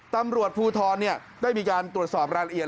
ตำรวจภูทรได้มีการตรวจสอบรายละเอียด